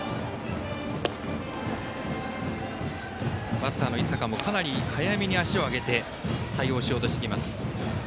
バッターの井坂もかなり早めに足を上げて対応しようとしています。